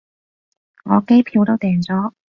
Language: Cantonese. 我機票都訂咗